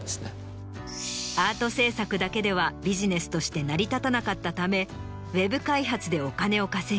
アート制作だけではビジネスとして成り立たなかったためウェブ開発でお金を稼ぎ